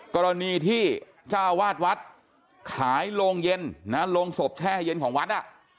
กรณีที่เจ้าวาดวัดขายโรงเย็นนะโรงศพแช่เย็นของวัดอ่ะ